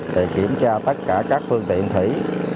để kiểm tra tất cả các phương tiện thủy